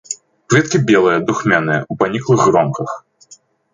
Кветкі белыя, духмяныя, у паніклых гронках.